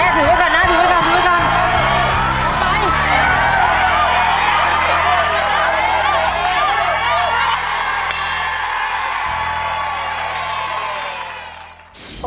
แม่ถือไว้ก่อนนะถือไว้ก่อนถือไว้ก่อน